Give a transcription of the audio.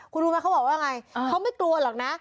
คุณรู้ไหมเขาบอกว่าไงเขาไม่กลัวหรอกนะ